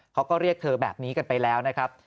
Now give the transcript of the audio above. เขาก็เรียกเธอแบบนี้กันไปแล้วนะครับ